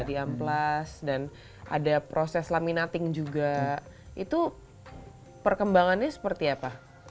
di amplas dan ada proses laminating juga itu perkembangannya seperti apa